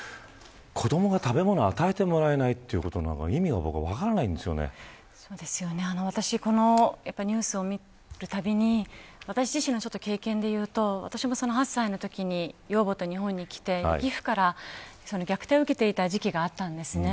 子どもが食べ物を与えてもらえないということのこのニュースを見るたびに私自身の経験で言うと私も８歳のときに養母と日本に来て義父から虐待を受けていた時期がありました。